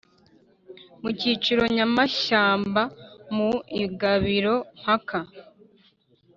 mu cyiciro cyamashyamba mu ibagiro mpaka